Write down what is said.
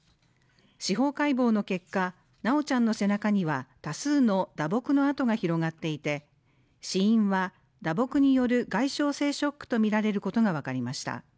司法解剖の結果、修ちゃんの背中には多数の打撲の痕が広がっていて死因は打撲による外傷性ショックとみられることがわかりました。